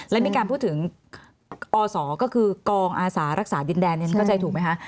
และมีการพูดถึงอศก็คือกองอาสารักษาดินแดนเข้าใจถูกไหมคะ